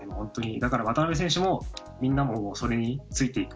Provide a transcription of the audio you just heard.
だから、渡邊選手もみんなもそれについていく。